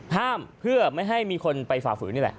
ห้ามเพื่อไม่ให้มีคนไปฝ่าฝืนนี่แหละ